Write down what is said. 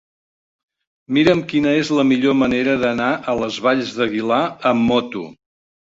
Mira'm quina és la millor manera d'anar a les Valls d'Aguilar amb moto.